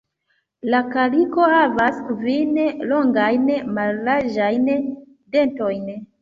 La kaliko havas kvin longajn mallarĝajn "dentojn".